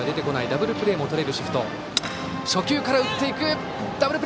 ダブルプレーもとれるシフト。